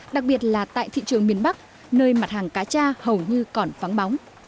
đặc biệt là tại thị trường miền bắc nơi mặt hàng cá cha hầu như còn vắng bóng